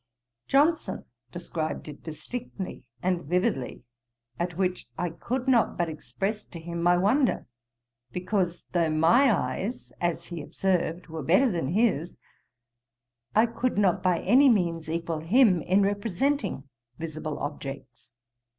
Johnson described it distinctly and vividly, at which I could not but express to him my wonder; because, though my eyes, as he observed, were better than his, I could not by any means equal him in representing visible objects.